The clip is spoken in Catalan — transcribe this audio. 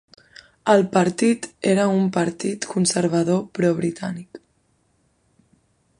El partit era un partit conservador pro-britànic.